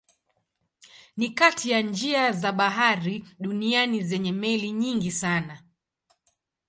Ni kati ya njia za bahari duniani zenye meli nyingi sana.